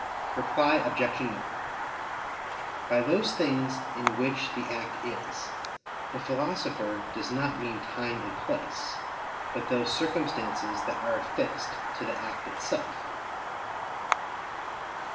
Reply Obj. 1: By those things "in which the act is" the Philosopher does not mean time and place, but those circumstances that are affixed to the act itself.